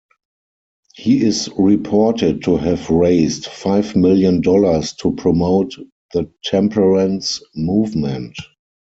He is reported to have raised five million dollars to promote the temperance movement.